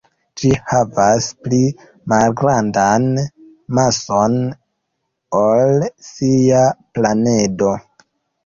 Ĝi havas pli malgrandan mason ol sia planedo.